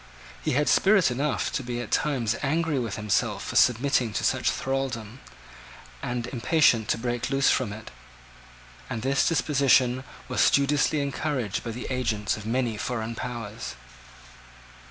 He had spirit enough to be at times angry with himself for submitting to such thraldom, and impatient to break loose from it; and this disposition was studiously encouraged by the agents of many foreign powers.